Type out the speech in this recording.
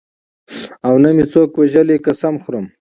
او نه مې څوک وژلي قسم خورم.